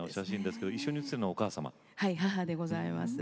はい母でございます。